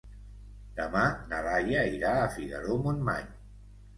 Demà na Laia irà a Figaró-Montmany.